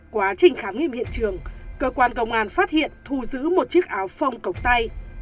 quá trình khám nghiệm hiện trường cơ quan công an phát hiện thu giữ một chiếc áo phông cổng tay